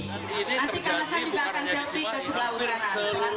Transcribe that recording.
nanti ini terjadi bukan dari suara ini terjadi dari seluruh daerah seperti itu